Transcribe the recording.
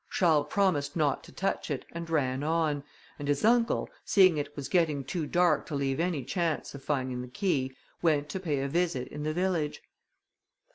Charles promised not to touch it, and ran on, and his uncle, seeing it was getting too dark to leave any chance of finding the key, went to pay a visit in the village.